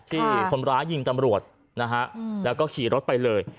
ที่คนร้ายยิงตำรวจนะฮะแล้วก็ขี่รถไปเลย